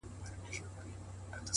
سترگه وره مي په پت باندي پوهېږي ـ